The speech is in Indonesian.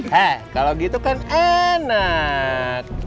hah kalau gitu kan enak